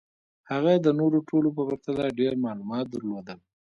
هغه د نورو ټولو په پرتله ډېر معلومات درلودل